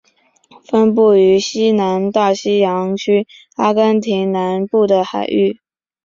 分布于西南大西洋区阿根廷南部海域。